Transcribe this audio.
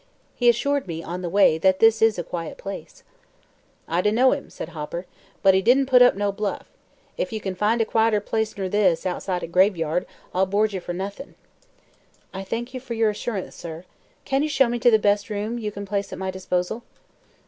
He assured me, on the way, that this is a quiet place." "I dunno him," said Hopper, "but he didn't put up no bluff. If ye can find a quieter place ner this, outside a graveyard, I'll board ye fer noth'n'." "I thank you for your assurance, sir. Can you show me to the best room you can place at my disposal?"